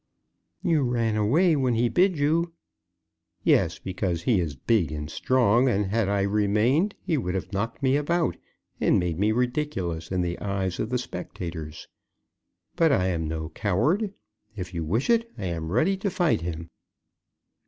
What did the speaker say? "You ran away when he bid you!" "Yes; because he is big and strong, and had I remained, he would have knocked me about, and made me ridiculous in the eyes of the spectators. But I am no coward. If you wish it, I am ready to fight him."